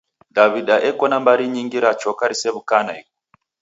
Daw'ida eko na mbari nyingi ra choka risew'ukaa naighu!